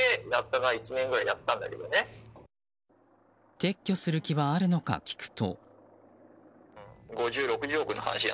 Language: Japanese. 撤去する気はあるのか聞くと。